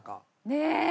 ねえ。